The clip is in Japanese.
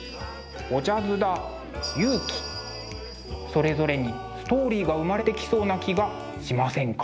それぞれにストーリーが生まれてきそうな気がしませんか？